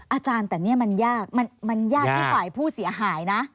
อาจารย์แต่นี่มันยากมันยากที่ฝ่ายผู้เสียหายนะ